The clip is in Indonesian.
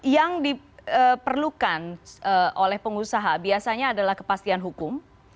yang diperlukan oleh pengusaha biasanya adalah kepastian hukum